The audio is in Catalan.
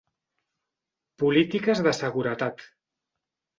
Polítiques de Seguretat.